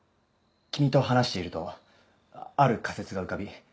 君と話しているとある仮説が浮かび。